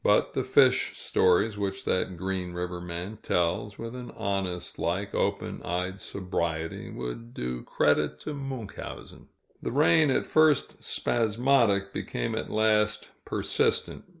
But the fish stories which that Green River man tells, with an honest like, open eyed sobriety, would do credit to Munchausen. The rain, at first spasmodic, became at last persistent.